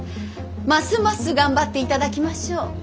ますます頑張っていただきましょう。